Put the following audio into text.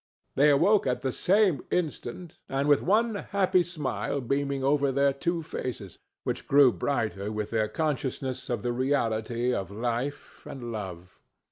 They awoke at the same instant and with one happy smile beaming over their two faces, which grew brighter with their consciousness of the reality of life and love.